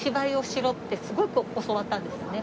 しょせんってすごく教わったんですね。